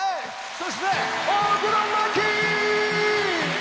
そして大黒摩季！